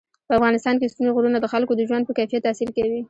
په افغانستان کې ستوني غرونه د خلکو د ژوند په کیفیت تاثیر کوي.